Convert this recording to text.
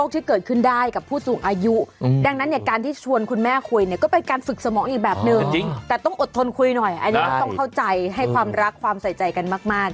แต่ต้องอดทนคุยหน่อยอันนี้ก็ต้องเข้าใจให้ความรักความใส่ใจกันมาก